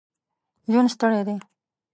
ژوند ستړی دی.